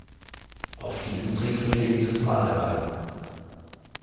Auf diesen Trick fällt er jedes Mal herein.